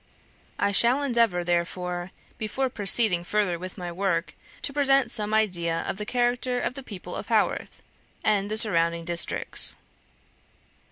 I shall endeavour, therefore, before proceeding further with my work, to present some idea of the character of the people of Haworth, and the surrounding districts.